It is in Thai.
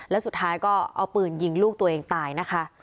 แล้วสุดท้ายก็เอาปืนยิงลูกตัวเองตายนะคะ